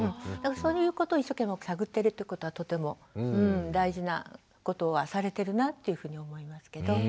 そういうことを一生懸命探ってるってことはとても大事なことはされてるなっていうふうに思いますけど。